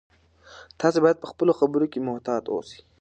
تاسي باید په خپلو خبرو کې محتاط اوسئ.